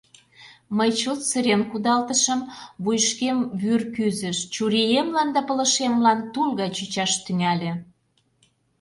Мый чот сырен кудалтышым, вуйышкем вӱр кӱзыш, чуриемлан да пылышемлан тул гай чучаш тӱҥале.